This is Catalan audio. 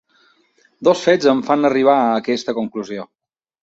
Dos fets em fan arribar a aquesta conclusió.